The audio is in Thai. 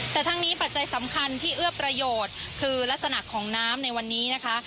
แต่ทั้งนี้ปัจจัยสำคัญที่เอื้อประโยชน์คือลักษณะของน้ำในวันนี้นะคะ